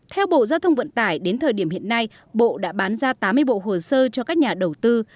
theo bộ giao thông vận tải đến thời điểm hiện nay bộ đã bán ra tám mươi bộ hồ sơ cho các nhà đầu tư